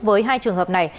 với hai trường hợp này